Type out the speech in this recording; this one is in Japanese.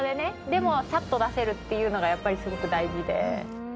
でもさっと出せるっていうのがやっぱりすごく大事で。